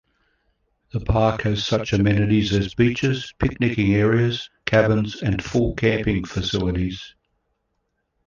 The park has such amenities as beaches, picnicking areas, cabins, and full camping facilities.